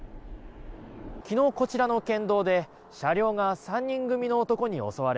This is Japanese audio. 昨日、こちらの県道で車両が３人組の男に襲われ